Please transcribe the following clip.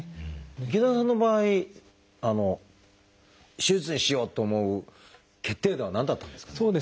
池田さんの場合手術にしようと思う決定打は何だったんですかね？